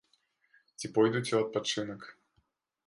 Ці пойдуць у адпачынак.